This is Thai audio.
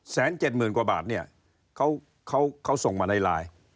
แสนเจ็ดหมื่นกว่าบาทเนี่ยเขาส่งมาในไลน์